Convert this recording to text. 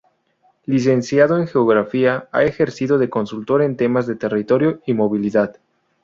Licenciado en Geografía, ha ejercido de consultor en temas de territorio y movilidad.